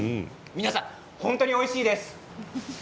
皆さん本当においしいです。